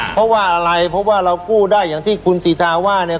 เพราะว่าอะไรเพราะว่าเรากู้ได้อย่างที่คุณสิทาว่าเนี่ย